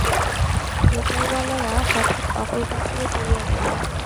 থিয়েটারওয়ালারা হঠাৎ অকূলপাথারে পড়িয়া গেল।